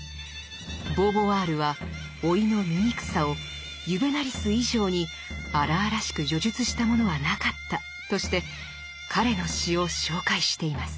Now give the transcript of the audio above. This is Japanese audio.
ボーヴォワールは「老いの醜さをユヴェナリス以上に荒々しく叙述した者はなかった」として彼の詩を紹介しています。